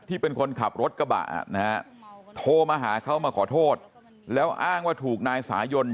ที่เป็นคนขับรถกระบะนะฮะโทรมาหาเขามาขอโทษแล้วอ้างว่าถูกนายสายน